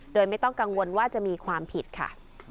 โดยไม่ต้องกังวลว่าจะมีความผิดค่ะ